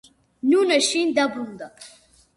ნუნე შინ დაბრუნდა.